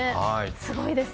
すごいです。